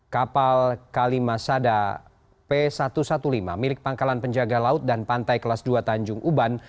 kapal kalimasada p satu ratus lima belas milik pangkalan penjaga laut dan pantai kelas dua tanjung uban